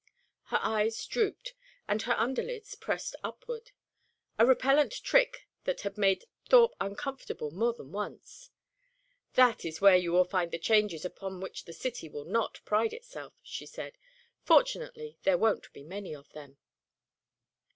Her eyes drooped, and her underlids pressed upward, a repellant trick that had made Thorpe uncomfortable more than once. "That is where you will find the changes upon which the city will not pride itself," she said. "Fortunately, there won't be many of them."